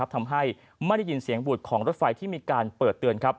ทำให้ไม่ได้ยินเสียงบูดของรถไฟที่มีการเปิดเตือน